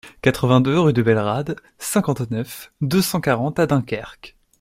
quatre-vingt-deux rue Belle Rade, cinquante-neuf, deux cent quarante à Dunkerque